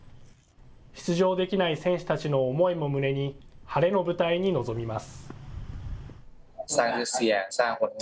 出場できない選手たちの思いも胸に、晴れの舞台に臨みます。